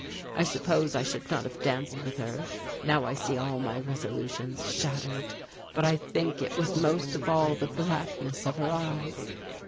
I suppose I should not have danced with her now I see all my resolutions shattered. But I think it was most of all the blackness of her eyes.